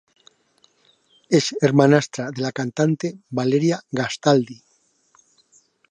Es hermanastra de la cantante Valeria Gastaldi.